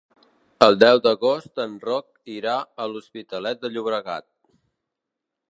El deu d'agost en Roc irà a l'Hospitalet de Llobregat.